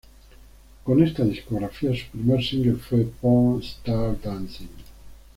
Con esta discográfica su primer single fue "Porn Star Dancing".